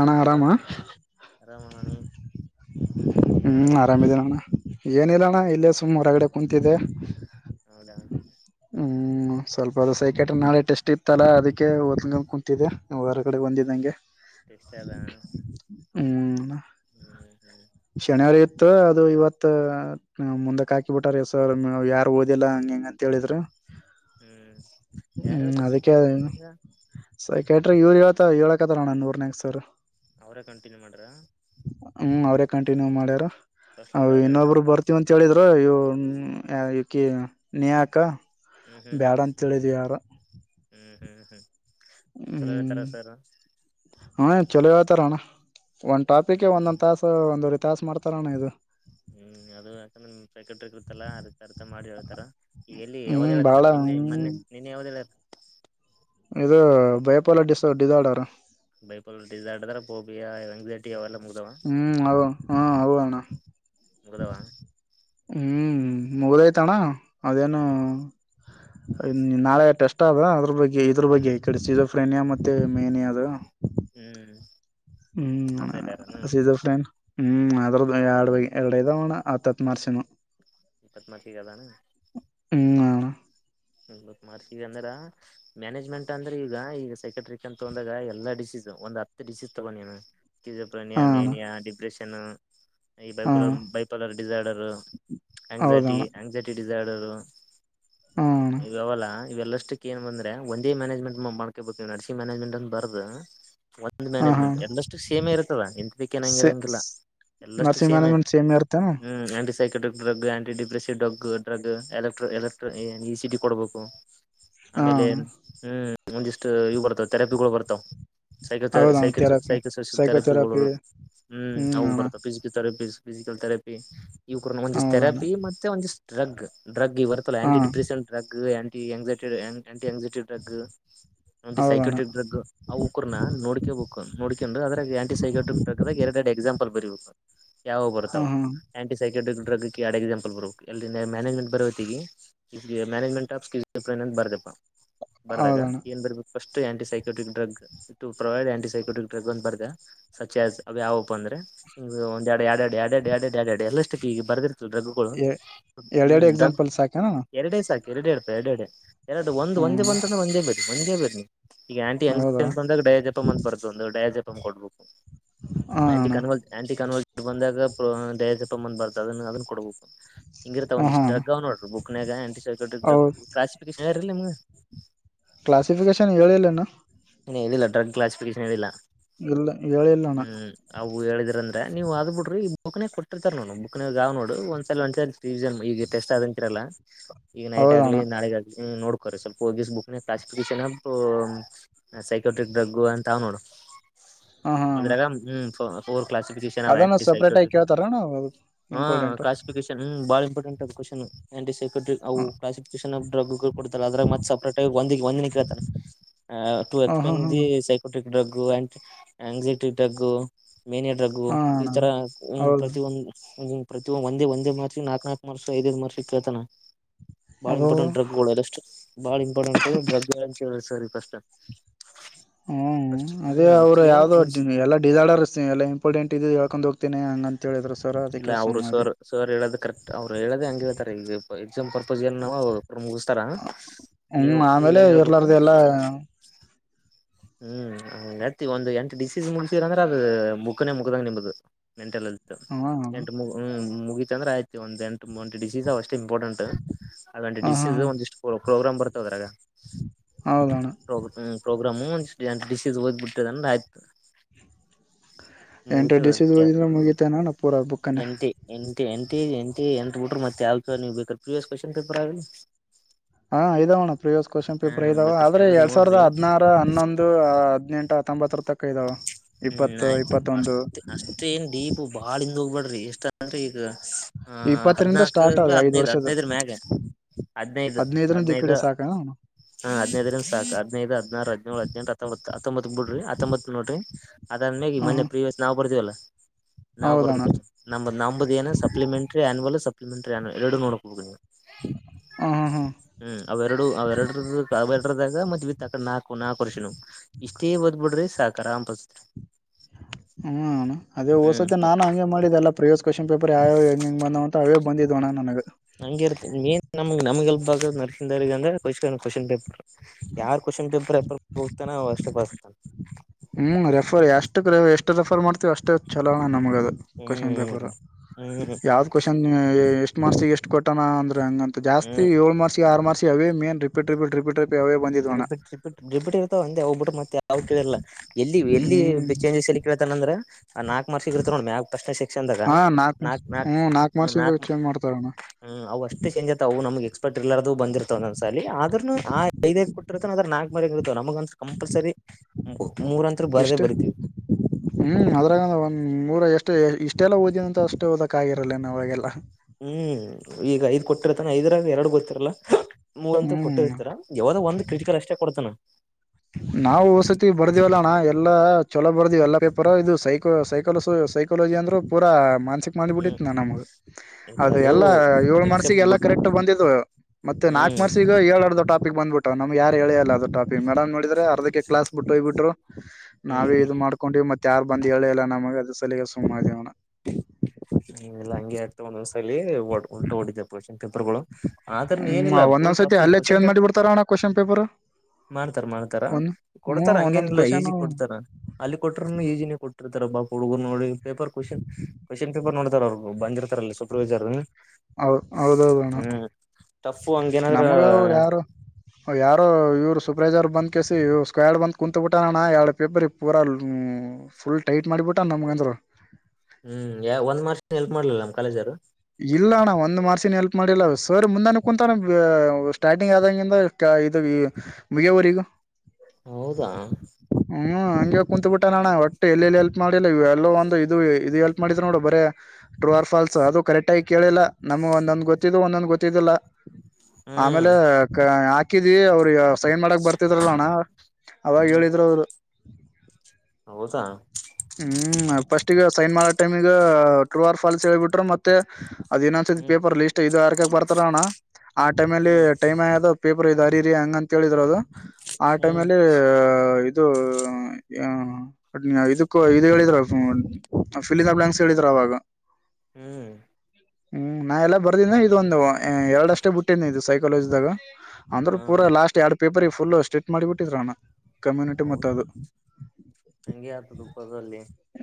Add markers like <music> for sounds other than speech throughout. ಅಣ ಏನ್ಪಾ ಹರಾಮಾ. ಆರಾಮ ನೀ ಏನ್ ಹ್ಮ್ ಮಾಡಕತ್ತಿ ಆರಾಮಿದೆನಣ್ಣ ಏನಿಲ್ಲ ಅಣ್ಣ ಇಲ್ಲೇ ಸುಮ್ಮ್ ಹೊರಗಡೆ ಕುೂಂತಿದ್ದೆ. ಹೌದಾ. ಸ್ವಲ್ಪ ಅದ ಹ್ಮ್ ಸೈಕಟ್ ನಾಳೆ ಟೆಸ್ಟ್ ಇತ್ತತಲ್ಲ ಅದಕ್ಕೆ ಒದಕ ಕುಂತಿದೆ ಹೊರ ಗಡೆ ಬಂದಿದಂಗೆ. ಟೆಸ್ಟ ಅದ ಹ್ಮ್ ಹ್ಮ್ ಹ್ಮ್ ಶನಿವಾರ ಇತ್ತು. ಅದು ಇವತ್ ಮುಂದಕ್ ಹಾಕಿ ಬಿಟಾರ ಸರ ಯಾರು ಓದಿಲ್ಲಾ ಹಂಗ ಹೆಂಗ ಅಂತ ಹೇಳಿದ್ರರ. ಹ್ಮ್ ಯಾರ <unintelligible> ಥೇಟರ ಇವ್ರು ಹೇಳತರಾ ಹೇಳಕತರಣ ನೂರ್ ನಾಯಕ್ ಸರ್. ಅವರೆ ಕಂಟಿನ್ಯೂ ಮಾಡ್ರ. ಹ್ಮ್ ಅವ್ರೇ ಕಂಟಿನ್ಯೂ ಮಾಡ್ಯಾರ ಅವು ಫಸ್ಟ್ಲಿಂದ ಅವ್ರ ಹೇಳ್ಯಾರ ಇನ್ನೊಬ್ರು ಬರ್ತಿವಂತ ಹೇಳಿದ್ರ ಇವ. ಹ್ಮ ಇಕಿ ನೇಹಾಕ. ಹ್ಮ್ ಹ್ಮ್ ಬ್ಯಾಡ ಅಂತ ಹೇಳಿದವಿ ಯಾರ. ಹ್ಮ್ ಹ್ಮ್ ಹ್ಮ್ ಚಲೋ ಹೇಳತರ ಸರ್. ಹಾ ಚಲೋ ಹೇಳ್ತಾರಣ್ಣ ಒಂದ ಟಾಪಿಕ್ ಹ್ಮ್ ಒಂದೊಂದ್ ತಾಸ ಒಂದವರಿ ತಾಸ ಮಾಡ್ತಾರಣ್ಣ ಇದ. ಹ್ಮ್ ಅದು ಯಾಕಂದ್ರ ಸೆಕ್ರೆಟ್ರಕ್ ಇರ್ತಲ್ಲ ಅದ ಅರ್ತ ಮಾಡಿ ಹೇಳ್ತಾರ ಈಗ ಎಲ್ಲಿ ಯಾವ್ದ ಹ್ಮ್ ಬಾಳ ಹೇಳಕತರ. ನಿನ್ನೇ ಮೊನ್ನೆ ಹ್ಮ್ ನೀನ್ನೇ ಯಾವದ ಹೇಳ್ಯರ. ಇದು ಬಯಪಾಲಡಿಸಾರ್ಡರ್ ಬೈಪಲ್ಡಿಸ್ ಆಡಿದ್ರ ಬೋಬಿಯ ಎಂಗ್ಸೈಟಿ ಅವೆಲ್ಲ. ಮುಗ್ದವ ಹ್ಮ್ ಹೌ ಹ್ಮ ಅವುಣ್ಣ ಮುಗದಾವ. ಹ್ಮ್ ಮುಗ್ದೈತಣ ಅದೇನು ಹ್ಮ್ ನಾಳೆ ಟೆಸ್. ಕೊಟ್ಟದ ಅದ್ರ ಬಗ್ಗೆ ಇದ್ರ ಹ್ಮ್ ಬಗ್ಗೆ ಕಡಿಸಿ ಇ ಫ್ರೆನಿಯ ಮತ್ತ ಮೇಹನಿ ಅದ. ಹ್ಮ್. ಅದ ಹೇಳ್ಯಾರನ ಹ್ಮ್ ಸೀಸನ್ ಟೈಮ್ ಹ್ಮ್ ಅದ್ರದ್ದು ಎರಡ್ಬಾವಗೆ ಎರಡೇದೇವ ಅಣ್ಣ ಹತ್ತತ ಮಾರ್ಕ್ಸಿನ್ವು. ಇಪ್ಪತ್ನಾಲ್ಕಿಗೆ ಅದಾನ ಹ್ಮ ಅಣ್ಣಾ. ಎಂಬತ್ತು ಮಾಕರ್ಸ ಈಗ ಅಂದ್ರ ಮ್ಯಾನೇಜ್ಮೆಂಟ್ ಅಂದ್ರೆ ಈಗ ಈಗ ಸೆಕ್ರೆಟರಿಕ್ ತೊಂದಾಗ ಎಲ್ಲಾ ಡಿಸೀಸ್. ಒಂದ ಹತ್ತು ಡಿಸೀಸ್ ತಗೊನಿಯಾ ಹಾ <unintelligible> ಅಣ್ಣ ಮೇನಿಯಾ ಡಿಪ್ರೆಷನ್. ಈ ಹಾ ಬೈಪಲರ್ ಬೈಪಲರ್ ಡಿಸರ್ಡರ್ ಆಂಗಸಟಿ ಹೌದಣ್ಣ ಆಂಗ್ಸಾಡ್ ಡಿಸಾರ್ಡರ್. ಜಾಡರು. ಹಾ ಅಣ್ಣ ಇವ ಅವಲ್ಲ ಇವೆಲ್ಲಷ್ಟಕ್ಕ ಏನ್ ಬಂದ್ರೆ ಒಂದೇ ಮ್ಯಾನೇಜ್ಮೆಂಟ್ ಮಾಡ್ಕೇಬೇಕು ಇವ್ ನರ್ಸಿಂಗ್ ಮ್ಯಾನೇಜ್ಮೆಂಟ್ ಅ. ಬಾರದು <inaudible> ಒಂದು ಹಾ ಹಾ ಮ್ಯಾನೇಜ್ಮೆಂಟ್ ಅಣ್ಣ ಎಲ್ಲಷ್ಟು ಸೇಮೇ ಇರುತ್ತದ ಇಂತದಕೆ ಏನಗಿಲಾ ಸೆ ಹನಂಗೀರಲ್ ಎಲ್ಲಷ್ಟು ನರ್ಸಿಂಗ್ ಸೇಮೆ. ಮ್ಯಾನೇಜ್ಮೆಂಟ್ ಸೇಮ್ ಇರ್ತೇನ ಹ್ಮ್ <unintelligible> ಕ್ drug aunty ಡಿಪ್ರೆಸಿ drug drug electricity ಕೊಡಬೇಕು. ಹಾ ಆಮೇಲೆ ಅಣ್ಣ ಹ್ಮ್ ಒಂದಿಷ್ಟು ಇವು ಬರ್ತಾವ ಥೆರಪಿಗಳು ಬರ್ತಾವ. ಸೈಕಚಾ ಹೌದಣ್ಣ ಸೈಕಚ ಥೆರಪಿ ಸೈಕಚ ಸೋಸಿಯಲ್ ಥರಪಿಗಳು ಸೈಕೋಥೆರಪಿ ಹ್ಮ್ ಅವು ಬರ್ತಾವ ಫಿಸಿಕಲ್ ಥೆರಪಿಸ. ಫಿಸಿಕಲ್ ಥೆರಪಿ ಇವು ಕೂರಂದ ಒಂದಸ್ ಹೌದಣ್ಣ ಥೆರಪಿ ಮತ್ತೆಂದಸ್ ಡ್ರಗ್ ಡ್ರಗ್ಗ ಇರ್ತಲ್ಲ ಹಾ ಆಂಟ. <unintelligible> ಒ ಹೌದಣ್ಣ ಸೈಕೋಟ್ರಕ್ಡ್ರಗ್ ಅವಕರ್ನ ನೋಡಿ ಕಬೇಕು ನೋಡೊಂಡು ಅದ್ರೆ ಆಂಟಿ ಸೈಕೋಟ್ರ್ಯಾಕಡ್ರಗ ಎರೆಡ ಎರಡ ಎಕ್ಸಾಪಲ. ಬರಿಬೇಕ ಯಾವ ಬರ್ತಾವ ಹ್ಮ್ ಹ್ಮ್ ಆಂಟಿ ಸೈಕಟಿಕ ಡ್ರಗ್. ಡ್ರಗಕ ಎಕ್ಸಾಂಪಲ್ ಬರಬೇಕು ಮ್ಯಾನೇಜ್ಮೆಂಟ್ ಬರವತ್ತಗಿ. ಮ್ಯಾನೇಜ್ಮೆಂಟ್ ಆಫ <unintelligible> ಬರದಪ ಬರ್ದಾಗ ಹೌದಣ್ಣ ಏನ್ ಬರ್ಬೇಕು ಫಸ್ಟ್. ಇ aunty psychotic drug to provide aunty psychotic drug ಅಂತ ಬರ್ದೆ ಸಚ್ ಆಜ್ ಯಾವಪ್ಪ ಅಂದ್ರೆ. ಇ ಒಂದ ಎಡ ಆಡ್ಯಾಡೆ -ಆಡ್ಯಾಡ -ಆಡ್ಯಾಡ -ಆಡ್ಯಾಡ ಎಲಸ್ಟಿಕ ಈಗ ಬರ್ದರತಿಲ. ಡ್ರಗಗಳು ಎ ಎರಡೆರಡು ಹ್ಮ್ ಡ್ರಗ್ ಎಕ್ಸಾಂಪಲ್ ಸಾಕೇನಣ್ಣ ಎರಡೆ ಸಾಕು ಎರಡೆ ಎರಡೆರಡೆ. ಎರಡು ಒಂದು ಒಂದೇ ಹ್ಮ್ ಬಂದದ ಒಂದೇ ಬರಿ ಒಂದೇ ಬರಿ. ಈಗ ಆಂಟಿಂಗ ಹೌದಾ ಅಂತ ಬಂದಾಗ ಡಯಾಜೆಪಮ್ ಅಂತ ಬರ್ದುು ಒಂದು ಡಯಾಜೆಪಮ್ ಕೊಡ್ಬೇಕು. ಹಾ ಆಂಟಿ ಅಣ್ಣ ಕನ್ಲವ ಆಂಟಿ ಕನ್ಲವ ಬಂದಾಗ ಡಯಸ ಬಂದ ಬರ್ತದನ್ನ ಅದನ್ ಕೊಡ್ಬೇಕು ಹಿಂಗಿರ್ತಾವ ಹ್ಮ್ ಒಂದಸ್ ಹಾ ಅಣ್ಣ ಡ್ರಗ್ ಅವ್ ನೋಡು. ಆಂಟಿಸೆಪ್ಟಿಕ್ ಹೌದು ಕ್ಲಾಸ ಫಿಸಹೇಳ್ಯರಯಿಲ್ಲ ನಿಮಗ. ಕ್ಲಾಸಿಫಿಕೇಶನ್ ಹೇಳಿಲ್ಲ ಇನ್. ನು ಇಲ್ಲಡಗ್ ಕ್ಸಫಿಕೇಶನ್ ಏನಿಲ್ಲ ಇಲ್ಲ ಹೇಳಿಲ್ಲಣ್ಣ ಅವು ಹೇಳಿದ್ರ ಅಂದ್ರೆ ನೀವು ಅ ಆದ್ ಬಿಡ್ರಿ ಈ ಬುಕ್ನ ಕೊಟ್ಟರ್ತಾರ ನೋಡ್ ಬುಕ್ವ್ ನೋಡು ಒಂದಸಲ ಒಂದಸ ಈಗ ಟೆಸ್ಟ್ ಆದಂತಿರಲ್ಲ ಈಗ ನೈಟ್ ಆಗ್ಲಿ ಹೌದಣ್ಣ ನಾಳೆಗ ಆಗ್ಲಿ ನೋಡ್ಕೋರಿ ಸ್ವಲ್ಪಿಸ್ ಬುಕ್ ನ ಕ್ಲಾಸಿಫಿಕೇಶನ್ ಹ ಸೈಕೋಟ್ರಿಕ್ ಡ್ರಗ್ಗು ಅಂತಾವ ನೋಡು ಹಾ ಹಾ ಅಣ್ಣ ಅದ್ರಾಗ ಹ್ಮ ಕ್ಫ ಹ ಕ್ಲಾಸಿಫಿಕನ್ ಹ ಅದನ್ನ ಸಪ್ರೇಟ್ ಆಗಿ ಕೇಳ್ತಾರಣ್ಣ ಅದು ಇಂಂ ಇಂಪಾರ್ಟೆಂಟ್ ಹಾ ಕ್ಲಾಸಿಫಿಕೇಶನ್ ಡ್ರಗ್ ಕೊಡ್ತಲ್ಲ ಅದ್ರಾಗ ಮತ್ತೆ ಸಪ್ರೇಟ್ ಆಗ ಒಂದ ಒಂದಿನ ಇೇತ ಹಾ ಟವೆಲ್ತ್ ಹಾ ಪೈನ್ ಹಾ ಇ ಸೈಕೋಟಿಕ್ ಡ್ರಗ್ ಅಂ ಎಂಗಸೈಟಿಕ್ ಡ್ರಗ್ ಮೇನ ಡ್ರಗ್ಗು ಅಣ್ಣ ಈಥರ ಹೌದು ಪ್ರತಿಯೊಂದು ಪ್ರತಿಿಯ ಒ ಒಂದೇ ಒಂದೇ ಮಾರ್ಷಿ ನಾಕಕ್ ನಾಕುರ್ಷ ಐದೈದ್ ಮರ್ಷಕ್ಕೆ ಕೇಳ್ತನ ಬಾಳ ಅದು ಇಂಪಾರ್ಟೆಂಟ್ ಡ್ರಗ್ಗಳು ಅಷ್ಟಟ್ ಬಾಳ ಇಂಪಾರ್ಟೆಂಟ್ ಡ್ರಗ್ ಗಳ ಹೇಳ ಸರ್ ಈಸ್ ಹ್ಮ್ ಅದೇ ಹ್ಮ್ ಅವರು ಆಕ್ಚುಲಿ ಯಾವ್ದ ನಿಮ್ ಎಲ್ಲ ಡಿಸಾರ್ಡರ್ಸ್ ಎಲ್ಲ ಇಂಪಾರ್ಟೆಂಟ್ ಇದ ಹೇಳ್ಕೊಂಡ್ ಹೋಗ್ತೇನೆಿ ಹಂಗ ಅಂತ ಹೇಳಿದ್ರರು ಇಲ್ಲ ಅವ್ರು ಸರ್ ಸರ್ ಹೇಳೋದ ಕರೆಕ್ಟ್ ಅವ್ರು ಹೇಳೋದ ಹಂಗಿಳ್ತಾರೆ ಈಗ ಎಕ್ಸ್ ಪರ್ಪಸ್ ಎ ನ ಮುಗಿಸ್ತಾರ ನೀವು ಹ್ಮ್ ನೀವ ಆಮೇಲೆ ಏನ್ ಹೇಳ್ಬೇಕು ಇರ್ಲಾರ್ದ <inaudible> ಎಲ್ಲ ಹ್ಮ್ ನಡ್ತಿ ಒಂದ ಎಂಟು ಡಿಸೀಸ್ ಮುಂತೀರಂದ್ರೆ ಅದ ಮುಖನೆೇ ಮುಗದಂಗ ನಿಂಬದು ಮೆಂಟಲ್ ಎಲ್ತ್ ಹ್ಮ ಅಣ್ಣ ಎಂ ಮುಗ ಮುಗಿತುಂದ್ರ ಆಯ್ತಿ ಒಂದ್ ಎಂಟ್ ಡಿಸೀಸ್ ಅಷ್ಟ ಷ್ಟ ಇಂಪಾರ್ಟೆಂಟ್ ಅದೆ ಹ ಹಾ ಡಿಶ್ಸ್ ಹಾ ಒಂದಿಷ್ಟ ಪ್ರೋಗ್ರಾಮ್ ಬರ್ತಾವ ಅ್ರಾಗ ಹೌದಣ್ಣ ಪ್ರ ಪ್ರೋಗ್ರಾಮ ಹ ಡಶಸ್ ಹದ್ಬ ಬಿಡ್ತದಂದ್ರೆ ಆಯ್ತು ಎಂಟ ಡಿಸ ಹ್ರ ಮುಗಿತಾನ ಪೂರ ಬಕ್ ಎಟ ಎ ಎಂತ ಎಂತ ಎಂತ ಎಂತ ಬಿಟ್ರರು ಮತ್ತ ಯಾವ ಚ ನೀವು ಬೇಕ ಪ್ರೀವಿಯಸ್ ಕ್ವೆಶನ್ ಪೇಪರ್ ಆಗಲಿ ಹಾ ಇದಾವಣ್ಣ ಪ್ರೀವಿಯಸ್ ಕ್ವಶನ್ ಹ ಪೇಪರ್ ಇದಾವೆ ಬೇಕ ಆದ್ರೆ ತೆಗದ್ ಎರಡ್ ಸಾವಿರದ ನೋಡ್ರಿ ಹದ್ಾರು ಹನ್ನೊಂದು ಹದ್ನೆಂಟು ತಂಬತ್ರ ತ ಹ್ಮ್ ಆಯ್ತು ಅಷ್ಟ ಅಷ್ಟೇ ಏನ್ ಡೀಪು ಬಾಳಿಂದ ಹಬಡ್ರಿ ಎಷ್ಟ್ರರಿ ಈಗ ಅದ್ರು ಇಪ್ಪತ್ತರಿಂದ ಸ್ಟಾರ್ಟ್ ಹದ್ನಾಕಲ್ಲ ಅವ ಐದ್ ಹದ್ನೈದು ವರ್ಷದ ಹದ್ನೈದರ ಮ್ಯಾಗ ಹದ್ನೈದು ಹದ್ನೈದರಿಂದ ಈ ಕಡೆ ಹದ್ನೈದು ಸಾಕ ಅಣ್ಣ. ಹಾ ಹದ್ದರಿಂದ ಸಾಕ ಹದಿನೈದು ಹದಿನಾರು ಹದಿನೇಳ ಹದಿನಂ ಹೊಂಬ ಹೊಂಬತ್ತತ್ ಬಿಡ್ರಿ ಹತ್ತೊಂಬತ್ ನೋಡ್ರಿ ಅದ್ರ ಮೇ ಹ್ಮ್ ಮೊೆ ಹ್ಮ್ ಪ್ರೀವಿಯಸ್ ನಾ ಬರ್ವಲ್ಲ ನಾವು ಬರದು ಹೌದಣ್ಣ ಕ ನ ನಂಬದು ಏನ ಸಪ್ಲಿಮೆಂಟರಿ ಆನಲ್ ಸ ನಿ ಮಂತ್ರ ನಾನ ಎರಡು ನೋಡ್ ಹೋಗ ನೀವು ಹ ಹಾ ಹಾ ಎರಡು ಅವ ಎರಡಡದಾಗ ಮತ್ ವಿತ್ ಆಕ ನಾಕು ನಾಕ ವರ್ಷ ಇಷ್ಟೇ ಓದ್ಬ ಬಿಡ್ರಿ ರಾಮ್ ಪ <inaudible> ಹ್ ಅಣ್ಣ ಅದ ಓಸತ್ತೆ ಹ್ಮ್ ನಾನು ಹಂಗೆ ಮಾಡಿದೆಲ್ಲ ಪ್ರಿಯಸ್ ಕ್ವೆಶ್ನ್ ಪೇಪರ್ ಯಾವ ಹೆಂಗೆ ಹೆಂ ಬಂದಾವ ಅಂತ ಅವೇ ಬಂದಿದ್ದ ಅಣ್ಣ ನನಗೆ ಹಂಗ ಇರ್ತ ಮನ್ ನಮಗ್ ನಮ್ಗೆಲ್ ಬಾಗ ನರ್ಸಿದಗ ಅಂದ್ರೆ ಕ್ವಶನ್ ಪೇಪರ್ ಯಾರ್ ಕ್ವೆಶ್ಚನ್ ಪೇಪರ್ <unintelligible> ಅವಾ ಅಷ್ಟೆ ಪಾಸ್ ಆಯ್ತನ್.. ಹ್ಮ್.. ರೆಫರ್ ಎಷ್ಟಕ್ ಎಷ್ಟು ರೆಫರ್ ಮಾಡ್ತೀವಿ ಅಷ್ಟ ಚಲೋಣ ನಮಗ... ಕ್ವೆಶ್ಚನ್ ಪೇಪರ್. ಹ್ಮ್ ಹ್ಮ್ ಯಾವ್ದ್ ಕ್ವೆಶ್ಚನ್ ಎಷ್ಟ್ ಮಾರ್ಕ್ಸ್ಗ್ ಎಷ್ಟು ಕೊಟ್ಟೋಣ ಅಂದ್ರ... ಹಂಗ ಅಂತ ಜಾಸ್ತಿ ಹ್ಮ್ ಏಳು ಮಾರ್ಕ್ಸ್ಗ್ ಆರ ಮಾರ್ಕ್ಸ್ಗ್ ಅವೇ ಮೇನ್ ರಿಪೀ ರಿಪೀಟ್.... ರಿಪೀಟ್ ಅವೇ ಬಂದಿದ್ವಣ್ಣ ರಿಪಿಟ್ ರಿಪಿಟ್ ರಿಪಿಟ್ ಇರ್ತಾವ ಒಂದೆ ಅವ್ ಬಿಟ್ಟ ಮತ ಯಾವ್ ಕೇಳಲ್ಲ...... ಎಲ್ಲಿ ಎಲ್ಲಿ ಹ್ಮ್ <unintelligible> ನಾಲ್ಕು ಮಾರ್ ಸಿಗ ಇರ್ತದ ನೋಡ್ ಮ್ಯಾಗ್ ಫರ್ಸ್ಟ್ನೇ ಸೆಕ್ಷನದಾಗ ಹಾ ನಾಕ್ ನಾಕ್ ಹ್ಮ್.. ನಾಕ..... ಮಾರ್ಕ್ಸಿಂದ ಚೇಂಜ್ ಮಾಡ್ತಾರಣ್ಣ ಹ್ಮ್ ಅವು ಅಷ್ಟೇ ಚೇಂಜ್ ಆಯತ ಅವು ನಮಗ್ ಎಸ್ಪಿಎಕ್ಟ್ ಇಲ್ಲರಾರದು ಬಂದಿರ್ತವ ಒಂದೊಂದ್ ಸಾಲಿಹಿ ಆದ್ರೂ... ಆ ಐದ ಐದ್ ಕೊಟ್ಟಿರ್ತಾನ್ ಅದ್ರ ನಾಕ್ ಇಷ್ಟೇ <unintelligible> <unintelligible> ಹ್ಮ್ ಅದ್ರಾಗಂದ ಒಂದ್ ಮೂರ ಎಷ್ಟು ಇಷ್ಟೆಲ್ಲ ಓದಿನಂತ ಅಷ್ಟ ಓದಕ್ ಆಗಿರಲೆಂ ಅವಾಗೆಲ್ ಹ್ಮ್ ಮೂ ಅಂತ ಹ್ಮ್ ಕೊಟ್ಟಿರ್ತಾರ ಯಾವದೋ ಒಂದು ಕ್ರಟಿಕಲ್ ಅಷ್ಟೇ ಕೊಡ್ತಾನ ನಾವು ವಸತಿ ಬರ್ದಿವಲ್ಲಣ್ಣ ಎಲ್ಲಾ ಚಲೋ ಬರ್ದ್ ಎಲ್ಲಾ ಪೇಪರ್ ಇದು ಸೈೋ ಸೈಕಲ ಸೈಕೋಲಜಿ ಅಂದ್ರೂ ಪೂ ಹ್ಮ್ ಮಾಡಂದಿಬಿಟ್ಟಿತ್ತು ನ ನಮಗ ಅದು ಎಲ್ಲದು ಎಲ್ಲಾ ಏಳ ಮಾರ್ಕ್ಸ್ಗ್ ಎಕ್ಸೆಪ್ಟ್ ಎಲ್ಲಾ ಬಿಟ್ ಕರೆಕ್ಟ್ ಬಂದಿದ್ದು ಮತ್ತೆ ನಾಕ್ ಹ್ಮ್ ಮಾರ್ಕ್ಸ್ಗ್ ಹೇಳರ್ದ್ ಟಾಪಕ್ ಬಂದ್ಬಿತಾವ್ ನಮ್ಗ್ ಯಾರ ಹೇಳೇ ಇಲ್ಲಾ ಆ ಟಪಕ್ ಅರ್ಧಕ್ಕೆ ಕ್ಲಾಸ್ ಬಿಟ್ಟು ಹೋಗ್ಬ ಬಿಟ್ರು ನಾವೇ ಹ್ಮ್ ಇದ ಯಾರು ಬಂದ ಹೇಳೆಲ್ಲಾ ನಮಗ ಅದು ಸಲೆಗೆ ಸುಮ್ ಆದೇವ್ ನಾವ್ ಹ್ಮ ಎಲ್ಲಾ ಹಂಗೆ ಅಯ್ತ್ತುದ್ ಒಂದೊಂದ್ಸಲಹಿ ಸಲಿ ಉಲ್ಟಾ ಹೊಡೀತಾಡ್ ಪೇಪರ್ಗಳು ಆದ್ರ ಹ್ಮ್ ಏನಿಲ್ಲ ಫುಲ್ ಒಂದೊಂದ್ಸತಿ ಟಫ್ ಈ ಅಲ್ಲೇ ಕ್ವಶನ್ ಚೇಂಜ್ ಮಾಡಿ ಪೇಪರ್ ಬಿಡ್ತಾರ ಅಣ್ಣ ಕ್ವಶನ್ ಪೇಪರ್ ಮಾಡ್ತಾರ ಮಾಡ್ತಾರ ಒಂದ್ ಹ್ಮ್ ಕೊಡ್ತಾರ ಒಂದೊಂದ್ ಹಂಗೇನಿಲ್ಲ ಕ್ವಶನ್ ಈಜಿ ಕೊಡ್ತಾರ ಅಲ್ಲಿ ಕೊಟರುನು ಈಜಿನ ಕೊಟ್ಟಿರ್ತಾರ ಹುಡುಗು ನೋಡಿ ಪೇಪರ್ ಕ್ವಶನ್ ಕ್ವೆಶನ್ ಪೇಪರ್ ನೋಡ್ತಾರ್ ಅವರ ಬಂದಿರ್ತಾರ್ ಅಲ್ಲಿ ಸೂಪರ್ವೈಸರ್ ಹ್ ಹೌಹೌದಣ್ಣ ಹ್ಮ್ ಟಫ್ ಹಂಗೇನಾದ್ರ ನಮಗ ಅವರು ಯಾರು ಯಾರೋ ಇವರು ಸೂಪರ್ವೈಸರ ಸ್ಕ್ವಯಡ್ ಬಂದ್ ಕುಂತಬಿಟ್ಟಣ್ಣ ಎರಡು ಪೇಪರ್ ಪೂರ ಫುಲ್ ಟೈಟ್ ಮಾಡಿಬಿಟ್ಟಣ ನಮಗ್ ಹ್ಮ ಇಲ್ಲ ಅಣ್ಣ ಒಂದ್ ಮಾರ್ಕ್ಸ್ಗ್ ಹೆಲ್ಪ್ ಮಾಡಿಲ್ಲ ಸರ್ ಮುಂದಾನ ಕುಂತಾನ ಸ್ಟಾರ್ಟಿಂಗ್ ಆದಂಗಂದ ಇದು ಮುಗವರಿಗು ಹೌದಾ ಹ್ಮ್ ಹಂಗಗೆ ಕುೂಂತು ಬಿಟ್ಟ ನಣ್ಣ ಒಟ್ಟು ಎಲ್ಲಿೆಲ್ಲಿ ಎಲ್ಪ್ ಮಾಡಿಲ್ಲ ಎಲ್ಲೋ ಒಂದು ಇದು ಇದು ಹೆಲ್ಪ್ ಮಾಡಿದ್ರ ನೋಡು ಬರೇ ಟ್ರೂ ಓರ್ ಫಾಲ್ಸ್ ಅದು ಹ್ಮ್ <unintelligible> ಹಾಕ್ಕಿದೀ ಅವ್ರ ಸೈನ್ ಮಾಡಕ್ ಬರ್ತಿದ್ ಹ್ಮ್ ಹೌದಾ ಈಗ ಟ್ರರ್ ಫಾಲ್ಸ್ ಹೇಳ್ಬಿಟ್ರ ಮತ್ತೆ ಅದ ಇನ್ನೊಂದ್ಸರ್ತಿ ಹ್ಮ್ ಪೇಪರ್ ಲಿಸ್ಟ್ ಆ ಟೈಮ್ಲ್ಲಿ ಹ್ಮ್ ಟೈಮ್ ಆಯ ಹೆಂಗ ಅಂತ ಹೇಳಿದರು ಅದು ಆ ಟೈಮ್ ಹ್ಮ್ ಅಲ್ಲಿ ಇದು ಇ ಇದು ಹೇಳಿದ್ರ ಫಿಲನ್ ಬಲ್ಯಾಂಕ್ಸ್ ಹೇಳಿದ್ರ ಅವಾಗ ಹ್ಮ್ ಹ್ಮ್ ನಾ ಎಲ್ಲ ಬರ್ದಿನ ಇದೊಂದು ಎರಡಷ್ಟೇ ಬಿಟ್ಟನಿ ಇದು ಸೈಕಾಲಜಿದಾಗ ಹಾ ಅಂದ್ರ ಪೂರ ಲಾಸ್ಟ್ ಎರಡ್ ಪೇಪರ್ ಫುಲ್ ಸ್ಟಿಚ್ ಮಾಡಿಬಿಟ್ಟಿದ್ರಣ್ಣ ಹೌದ ಹಗೆ ಆತ ದುಪಾರ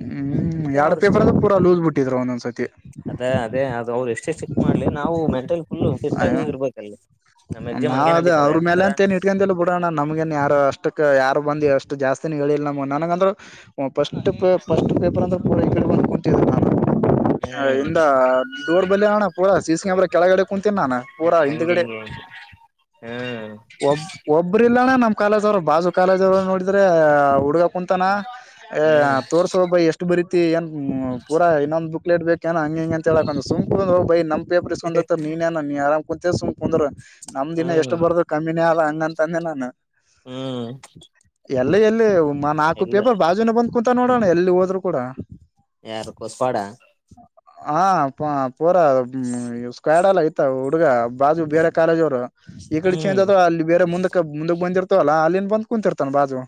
ಹ್ಮ್ ಎರಡ್ ಪೇಪರ್ ಅದ ಪೂರ ಲೂಸ್ ಬಿಟ್ಟಿದ್ ಒಂದೊಂದ್ಸತಿ ಅದೇ ಅದೇ ಅದು ಅವ್ರು ಮಾಡ್ಲಿ ನಾವು ಮೆಂಲ್ ಫುಲ್ ಫಿ ಆಗಿ ಹೋಗಿರ್ಬೇಕಲ್ಲಿ ನಮ್ ಎಕ್ಸಾಮ್ ನಾವ ಹಂಗೆ ಅದ ನಡೀತಾವ ಅವ್ರ ಮೇಲೆ ಯಾಕಂದ್ರ ಅಂತ ಏನ್ ಇಟ್ಕೊಂಡಲ್ಲ ಬಿಡೋಣ ನಮ್ಗನ್ ಯಾರ ಅಷ್ಟಕ್ ಯಾರ ಬಂದ ಅಷ್ಟು ಜಾಸ್ತಿನ ಹೇಳಿಲ್ಲ ನಮ್ಮ ನನಗಂದ್ರ ಪಫಸ್ಟ್ ಪ ಪಫಸ್ಟ್ ಪೇಪರ್ ಅಂದ್ರೆ ಕತ ಹ್ಮ್ ನ ಡೋರ್ ಪೂಾ ಸ ಸಿ ಕಾಮರ ಕೆಳಗಡೆಕ್ಕೆ ಕು ನಾನ ಪೂರ ಹಂಗೆ ಹಿಂದಗಡೆ ಹಂಗೆ ಹಂಗೆ ಹ್ಮ್ ಒ ಒಬ್ರ ಇಲ್ಲಣ್ಣ ನಮ್ ಕಾಲೇಜ್ರು ಬಾಜು ಕಾಲೇಜ್ರು ನೋಡಿದ್ರ ಹುಡುಗ ಕುಂತಾನ ಅ ಹ್ಮ್ ತೋರ್ಸೋ ಒಬ್ಬ ಎಷ್ಟು ಬರೀ ಏನ್ ಪೂರಾ ಇನ್ನೊಂದು ಬುಕ್ಲೇಟ್ ಬೇಕ ಏ ಹಂಗ ಹಿಂಗ ಅಂತ ಹೇಳಕಂದ ಸುಂ ಬೈ ನ್ ಪೇಪರ್ಸ್ಕೊಂಡತ ನೀನ್ಏ ನೀನ್ ಆರಾಮ್ ಕುೂತ ಸುಂದ್ರ ನಮ್ ದಿನ ಹ್ಮ್ ಎಷ್ಟು ಬರದು ಕಮ್ಮಿನೇ ಆದ ಹಂಗಂತಂದೆ ನಾನು ಹ್ಮ್ ಎಲ್ಲ ಎಲ್ಲಿಮ್ಮ ನಾಲ್ಕು ಎಲ್ಲ ಪೇಪರ್ ಬಾಜುನ ಬಂದ್ ಕುೂತ ನೋಡೋಣ ಎಲ್ಲಿ ಹೋದ್ರು ಕೂಡ ಯಾರು ಕೊಸ್ಪಾಡ ಹ ಪ ಪೂರ ಸ್ಕ್ವಾಡ್ ಎಲ್ಲ ಐತ ಹುಡುಗ ಬಾಜು ಬೇರೆ ಕಾಲೇಜ್ರು ಈ ಕಡೆ ಚಂದ್ ಹ್ಮ್ ಅದ ಅಲ್ಲಿ ಬೇರೆ ಮುಂದಕ್ಕೆ ಮುಂದ ಬಂದಿತವಲ್ಲ ಅಲ್ಲಿನ್ ಬಂದ್ ಕುಂತಿರ್ತಾನ ಬಾಜು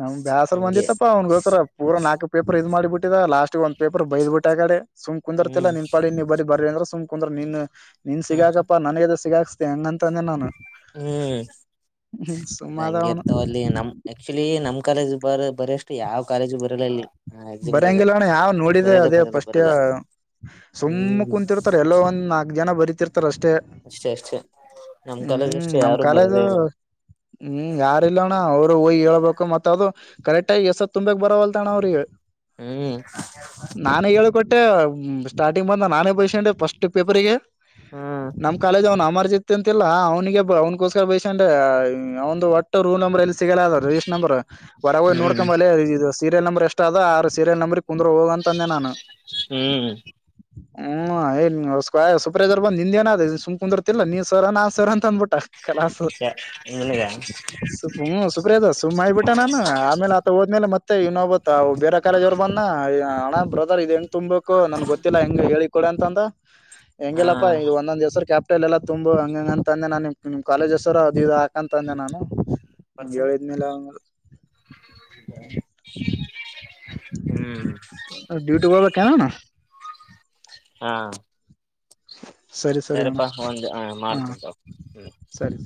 ನಮ್ ಬ್ಯಾಸ್ರ ಹಂಗೆ ಬಂದಿತ್ತಪ್ಪಾ ಅವನ್ಗೋಸ್ರ ಪೂರಾ ನಾಲ್ಕು ಪೇಪರ್ ಇದ ಮಾಡಿ ಬಿಟ್ಟಿದ ಲಾಸ್ಟ್ ಒಂದ ಪೇಪರ್ ಬೈಬಿಟ್ಟಗ ಆಕಡೆ ಸುಮ್ ಕುಂದರ್ತಿಲ್ಲ ಹ್ಮ್ ನಿನ್ ಪಾಡಿಗೆ ನೀ ಬರೀ ಬರೀ ಅಂದ್ರ ಕುಂದ್ರ ನೀನ್ ನೀನ್ ಹ್ಮ್ ಸಿಗಾಕಪ್ಪಾ ನನ್ಗೆದ ಸಿಗಾಕ್ಸ್ತೆ ಹೆಂಗಂತಂದೆ ನಾನು ಹ್ಮ್ ಅದ ಸುಮ್ಮ ಆದ ಹೆಂಗೆ ಅವನು ಇರ್ತಾವ ಅಲ್ಲಿ ನಮ ಆಕ್ಚುಲಿ ನಮ್ ಕಾಲೇಜ್ ಬರ ಬರೀ ಅಷ್ಟು ಯಾವ ಕಾಲೇಜು ಬರಲ್ಲ ಅಲ್ಲಿ ಎಕ್ಸಾಮ್ದಾಗ ಬರಂಗಿಲ್ಲಣ್ಣ ಯಾವ್ ನೋಡಿದೆ ಬರಲ್ಲ ಅದೇ ಬರಲ್ಲ ಫ್ರಿಸ್ಟ್ ಬರಲ್ಲ ಸುಮ್ಮ್ ಹ್ಮ್ ಕುಂತಿರ್ತಾರೆ ಎಲ್ಲೋ ಒಂದ್ ನಾಲ್ಕ್ ಜನ ಬರಿತಿರ್ತಾರ ಅಷ್ಟೇ ಅಷ್ಟೇ ಅಷ್ಟೇ ನಮ ಕಾಲೇಜ ಹ್ಮ್ ಅಷ್ಟೇ ನಮ್ ಯಾರು ಕಾಲೇಜ್ ಬರೋದೇ ಇಲ್ಲ ಹ್ಮ್ ಯಾರಿಲ್ಲಣ್ಣ ಅವ್ರು ಹೇಳ್ಬೇಕು ಮತ್ ಅದು ಕರೆಕ್ಟ್ ಆಗ ಎಸತ್ ತುಂಬಕ್ ಬರವಲ್ತಣ ಅವ್ರಿಗೆ ಹ್ಮ್ ನಾನೇ ಹೇಳ್ಕೊಟ್ಟೆ ಸ್ಟಾರ್ಟಿಂಗ್ ಬಂದ ನಾನೇ ಬಾಯಿಸಿಕೊಂಡೇ ಫ್ರಿಸ್ಟ್ ಪೇಪರ್ಗೆ ಹ್ಮ್ ನಮ್ಮ್ ಕಾಲೇಜ್ ಅವ್ನ ಅಮರ್ಜಿ ಅಂತಿಲ್ಲ ಅವನಿಗೆ ಅವ್ನ್ಗೋಸ್ಕರ ಬೈಸಂಡ ಅವ ಒಂದು ಒಟ್ಟು ರೂಲ್ ನಂಬರ್ ಎಲ್ಲಿ ಸಿಗಲ್ಲ ಅದ ರಿಜಿಸ್ಟರ್ ನಂಬರ್ ಹೊರಗ ಹೋಗಿ ಹ್ಮ್ ನೋಡ್ಕೊಂಡು ಬಾಲೆ ಇದು ಸೀರಿಯಲ್ ನಂಬರ್ ಎಷ್ಟ ಅದ ಸೀರಿಯಲ್ ನಂಬರ್ ಕುಂದ್ರರು ಹೋಗ ಅಂತಂದೆ ನಾನು ಹ್ಮ್ ಹ್ಮ್ ಏ ಸ್ಕ್ರ್ ಸುಪ್ರೇಜವರ್ ಬಂದ್ ನಿಂದ ಏನ ಅದು ಸುಮ್ ಕುಂದಿರ್ತಿಲ್ಲ ನೀನ್ ಸರ್ ಆ ನಾನ್ ಸರ್ ಆ ಅಂತ ಅಂದಬಿಟ್ಟ ಕಲಸು ನಿನಗ ಸು ಹ್ಮ್ ಸುಪ್ರಿವೈಸರ್ ಸುಮ್ಮ್ ಆಗಿಬಿಟ್ಟೆ ನಾನು ಆಮೇಲೆ ಆತ ಹೋದ್ಮೇಲೆ ಮತ್ತೆ ಇನ್ನೊಬತ ಬೇರ ಕಾಲೇಜು ಅವ್ರು ಬಂದ್ನ ಅಣ್ಣ ಬ್ರದರ್ ಇದ್ ಹೆಂಗ್ ತುಂಬ್ಬೇಕು ನನ್ಗ್ ಗೊತ್ತಿಲ್ಲ ಹೆಂಗ್ ಹೇಳಿ ಕೊಡ ಅಂತ ಅಂದ ಹಾ ಹೆಂಗೆಲ್ಲಪ್ಪ ಇದು ಒಂದೊಂದ ಹೆಸರು ಗ್ಯಾಪ್ ಬಿಟ್ಟು ಅಲೆಲ್ಲ ತುಂಬು ಹಂಗಂಗೆ ಅಂತಂದೆ ನಾ ನಾನು ನಿಮ್ ಕಾಲೇಜ್ಸರು ಅದು ಇದು ಹಾಕಂತ ಅಂದೆ ನಾನು ಹಂಗ್ ಹೇಳಿದ್ಮೇಲೆ ಅವನು <inaudible> ಹ್ಮ್ ಡ್ಯೂಟಿಗೆ ಹೋಗಬೇಕು ಏನಣ್ಣ ಹಾ ಸರಿ ಸರಿಯಣ ಸರಿಪಾ ಒಂದ್ ಹಾ ಮಾಡ್ತೀನಿ ತಗೋ ಹ್ಮ್ ಸರಿ